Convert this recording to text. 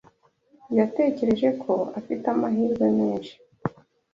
yatekereje ko afite amahirwe menshi.